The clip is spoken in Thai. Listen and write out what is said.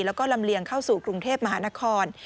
แล้วก็ลำเลียงเข้าสู่กรุงเทพมหานคร